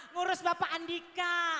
ngurus bapak andika